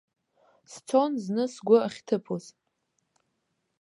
Сцон зны сгәы ахьҭыԥоз.